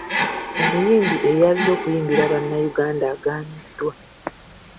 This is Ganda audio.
Omuyimbi eyazze okuyimbira Bannayuganda agaaniddwa okuyimba.